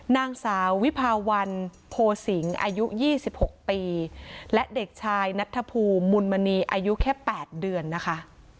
นางสาววิภาวันโพสิงอายุ๒๖ปีและเด็กชายนัทธภูมิมุนมณีอายุแค่๘เดือนนะคะ